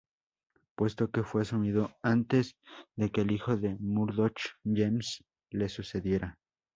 Puesto que fue asumido antes de que el hijo de Murdoch, James, le sucedería.